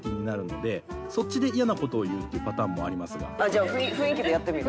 じゃあ雰囲気でやってみる？